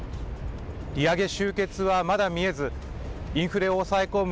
利上げ終結はまだ見えず、インフレを抑え込む